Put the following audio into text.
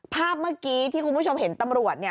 ภาพเมื่อกี้ที่คุณผู้ชมเห็นตำรวจเนี่ย